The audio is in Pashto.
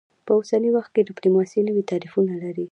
په اوسني وخت کې ډیپلوماسي نوي تعریفونه لري